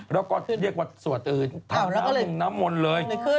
แล้วก็เรียกวัดสวดอื่นถามน้ำมนต์เลย